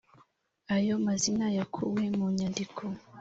Ayo mazina yakuwe mu nyandiko